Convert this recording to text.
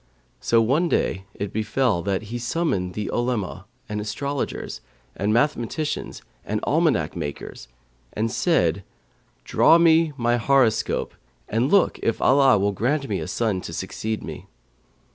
So one day it befell that he summoned the Olema and astrologers, the mathematicians and almanac makers, and said, 'Draw me my horoscope and look if Allah will grant me a son to succeed me.'